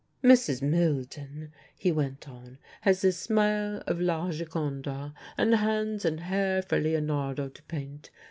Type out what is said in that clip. "Mrs. Milden," he went on, "has the smile of La Gioconda, and hands and hair for Leonardo to paint.